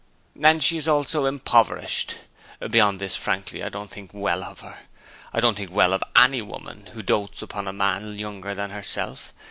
'And she is so impoverished. ... Beyond this, frankly, I don't think well of her. I don't think well of any woman who dotes upon a man younger than herself.